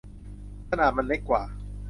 ขนาดมันเล็กกว่า